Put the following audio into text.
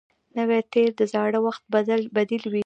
نوی تېر د زاړه وخت بدیل وي